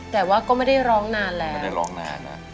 แต่ว่าก็ไม่ได้ร้องนานแล้วไม่ได้ร้องนานนะ